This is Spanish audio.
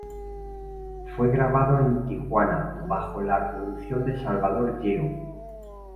Fue grabado en Tijuana bajo la producción de Salvador Yeo.